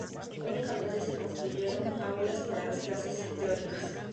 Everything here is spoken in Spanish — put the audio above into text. Únicamente se construyeron aulas para las clases teóricas.